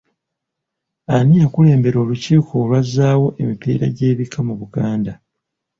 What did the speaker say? Ani yakulembera olukiiko olwazzaawo emipiira gy’ebika mu Buganda?